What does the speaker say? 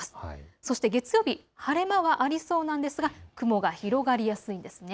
そして月曜日、晴れマーク、ありそうなんですが雲が広がりやすいんです。